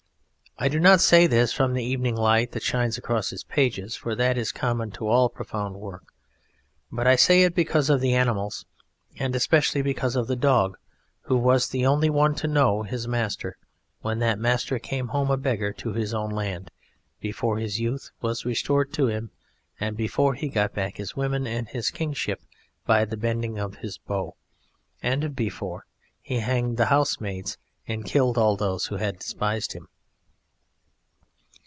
I do not say this from the evening light that shines across its pages, for that is common to all profound work, but I say it because of the animals, and especially because of the dog, who was the only one to know his master when that master came home a beggar to his own land, before his youth was restored to him, and before he got back his women and his kingship by the bending of his bow, and before he hanged the housemaids and killed all those who had despised him."